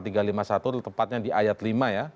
tepatnya di ayat lima ya